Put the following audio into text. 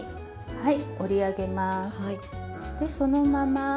はい。